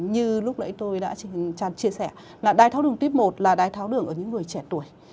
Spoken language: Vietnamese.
như lúc nãy tôi đã chia sẻ là đáy tháo đường tiếp một là đáy tháo đường ở những người trẻ tuổi